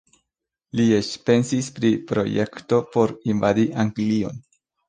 Li eĉ pensis pri projekto por invadi Anglion.